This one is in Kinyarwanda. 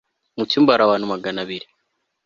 mucyumba hari abantu magana abiri